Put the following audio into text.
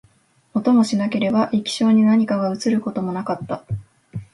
音もしなければ、液晶に何かが写ることもなかった